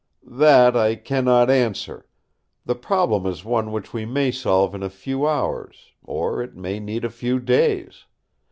"That I cannot answer. The problem is one which we may solve in a few hours; or it may need a few days.